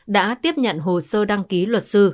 đã tiếp nhận hồ sơ đăng ký luật sư